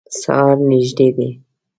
سهار نیژدي دی